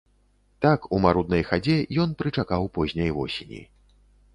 Так, у маруднай хадзе, ён прычакаў позняй восені.